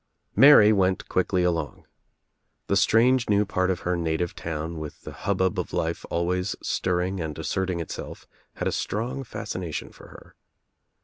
Mary went quickly along. The strange new part of her native town with the hubbub of life always stirring and asserting itself had a strong fascination for her.